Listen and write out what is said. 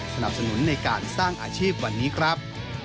สนับสนุนในการสร้างอาชีพวันนี้ครับ